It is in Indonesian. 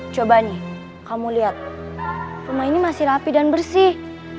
coba nih kamu lihat rumah ini masih rapi dan bersih